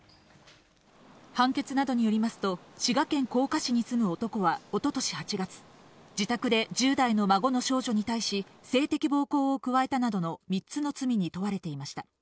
判決などによりますと、滋賀県甲賀市に住む男はおととし８月、自宅で１０代の孫の少女に対し、性的暴行を加えたなどの３つの罪に問われていました。